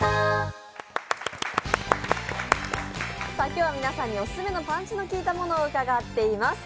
今日は皆さんにオススメのパンチの効いたものを伺っています。